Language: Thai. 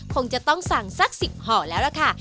คงจะต้องสั่งสัก๑๐ห่อแล้วล่ะค่ะ